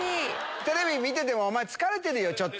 テレビ見てても、お前、疲れてるよ、ちょっと。